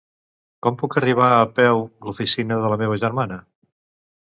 Com puc arribar a peu l'oficina de la meva germana?